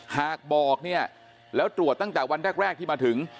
หากบอกเนี่ยแล้วตรวจตั้งแต่วันแรกที่มาถึง